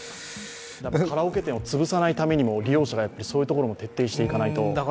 カラオケ店を潰さないためにも、利用者がそういうところを徹底していかないと。